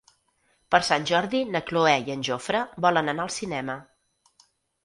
Per Sant Jordi na Cloè i en Jofre volen anar al cinema.